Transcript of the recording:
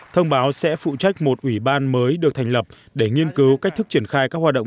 thông báo sẽ phụ trách một ủy ban mới được thành lập để nghiên cứu cách thức triển khai các hoạt động